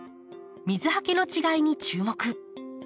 水はけの違いに注目。